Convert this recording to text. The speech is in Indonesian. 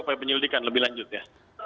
upaya penyelidikan lebih lanjut ya